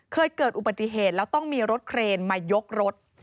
เคยเกิดอุบัติเหตุแล้วต้องมีรถเครนมายกรถ